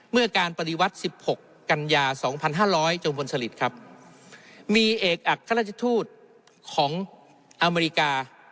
เมื่อการปฏิวัติ๑๖กันยา๒๕๐๐จงบนสลิดครับมีเอกอัครราชทูตของอเมริกา